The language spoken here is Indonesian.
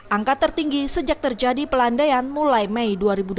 angka tertinggi sejak terjadi pelandaian mulai mei dua ribu dua puluh